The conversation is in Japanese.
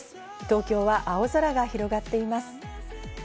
東京は青空が広がっています。